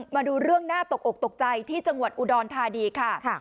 มาดูเรื่องน่าตกอกตกใจที่จังหวัดอุดรธานีค่ะ